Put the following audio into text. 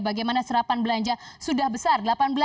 bagaimana serapan belanja sudah besar